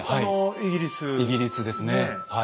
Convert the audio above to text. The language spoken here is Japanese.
イギリスですねはい。